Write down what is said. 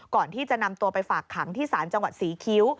ก่อนที่จะนำตัวไปฝากขังที่ศาลจังหวัดศรีคิ้ว